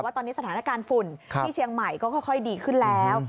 ตอนนี้สถานการณ์ฝุ่นที่เชียงใหม่ก็ค่อยดีขึ้นแล้ว